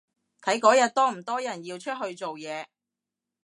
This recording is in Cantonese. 睇嗰日多唔多人要出去做嘢